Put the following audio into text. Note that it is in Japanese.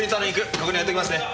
ここに置いておきますね。